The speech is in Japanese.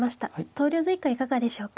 投了図以下いかがでしょうか。